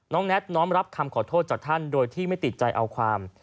แน็ตน้อมรับคำขอโทษจากท่านโดยที่ไม่ติดใจเอาความ